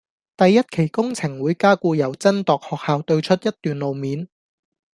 第一期工程會加固由真鐸學校對出一段路面